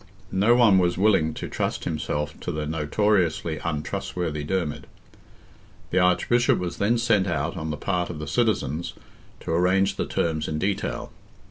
No one was willing to trust himself to the notoriously untrustworthy Dermid. The Archbishop was then sent out on the part of the citizens to arrange the terms in detail.